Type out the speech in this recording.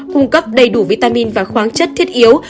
cung cấp đầy đủ vitamin và khoáng chất thiết yếu